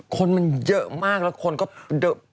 คนมันเยอะมากแล้วคนก็เดอะ